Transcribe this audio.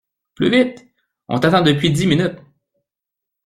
Plus vite! On t’attend depuis dix minutes !